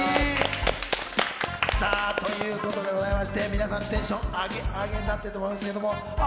さぁ、ということでございまして、皆さんテンションアゲアゲになっていると思いますけど。